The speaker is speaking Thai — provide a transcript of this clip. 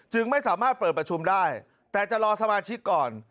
ไม่สามารถเปิดประชุมได้แต่จะรอสมาชิกก่อน